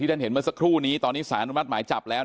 ท่านเห็นเมื่อสักครู่นี้ตอนนี้สารอนุมัติหมายจับแล้ว